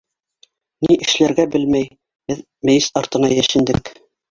Ни эшләргә белмәй, беҙ мейес артына йәшендек.